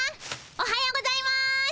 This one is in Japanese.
おはようございます！